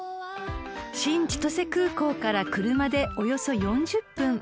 ［新千歳空港から車でおよそ４０分］